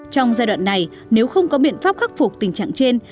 trong giai đoạn này nếu không có biện pháp khắc phục tình trạng trên